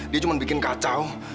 dia cuma bikin kacau